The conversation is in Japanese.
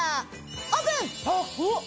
オープン！え！